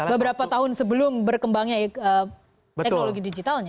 beberapa tahun sebelum berkembangnya teknologi digitalnya